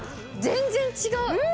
全然違う！